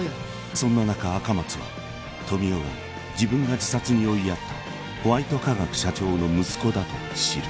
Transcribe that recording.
［そんな中赤松は富生が自分が自殺に追いやったホワイト化学社長の息子だと知る］